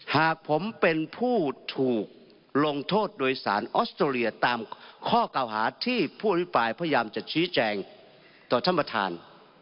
หากผมเป็นผู้ถูกลงโทษโดยสารออสเตรเลียตามข้อเก่าหาที่ผู้อภิปรายพยายามจะชี้แจงต่อท่านประธาน